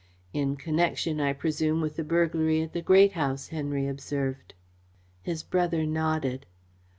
"In connection, I presume, with the burglary at the Great House," Henry observed. His brother nodded.